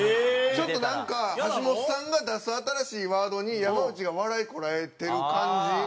ちょっとなんか橋本さんが出す新しいワードに山内が笑いこらえてる感じ